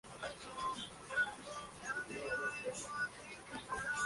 Subsecuentemente Brunson fue fichado por los Houston Rockets.